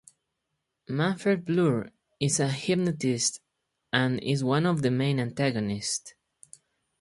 Manfred Bloor is a hypnotist and is one of the main antagonists.